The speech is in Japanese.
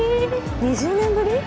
２０年ぶり？